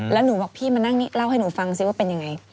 แล้วหนูบอกพี่มานั่งนี่เล่าให้หนูฟังซิว่าเป็นยังไง